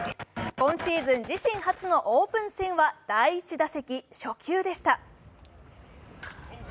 今シーズン自身初のオープン戦は第１打席初球でした。